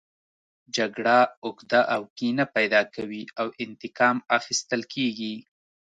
جګړه عقده او کینه پیدا کوي او انتقام اخیستل کیږي